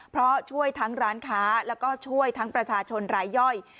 เพราะช่วยทั้งร้านค้าแล้วก็ช่วยทั้งประชาชนรายย่อย